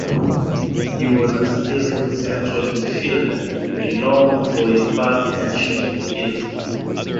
He was a skilful central midfielder renowned for his passing and shooting skills.